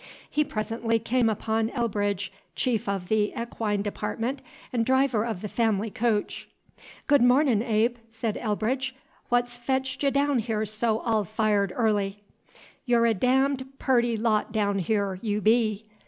He presently came upon Elbridge, chief of the equine department, and driver of the family coach. "Good mornin', Abe," said Elbridge. "What's fetched y' daown here so all fired airly?" "You're a darned pooty lot daown here, you be!"